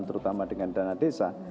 terutama dengan dana desa